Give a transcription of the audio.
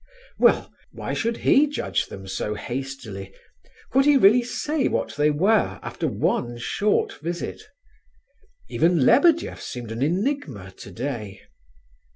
Well, why should he judge them so hastily! Could he really say what they were, after one short visit? Even Lebedeff seemed an enigma today.